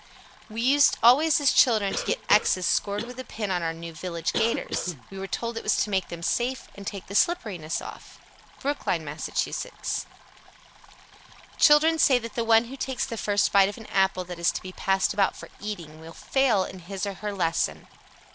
"We used always as children to get X's scored with a pin on our new 'village gaiters.' We were told it was to make them safe and take the slipperiness off." Brookline, Mass. 99. Children say that the one who takes the first bite of an apple that is to be passed about for eating will fail in his or her lesson.